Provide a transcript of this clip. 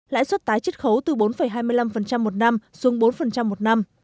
lãi suất tái chất khấu từ bốn hai mươi năm một năm xuống bốn một năm